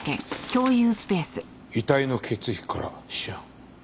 遺体の血液からシアン。